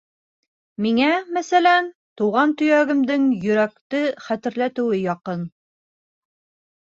Миңә, мәҫәлән, тыуған төйәгемдең йөрәкте хәтерләтеүе яҡын.